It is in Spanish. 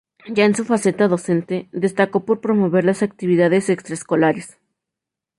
Ya en su faceta docente, destacó por promover las actividades extraescolares.